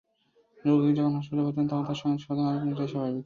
রোগী যখন হাসপাতালে ভর্তি হন, তখন তাঁর সঙ্গে স্বজন আসবেন—এটাই স্বাভাবিক।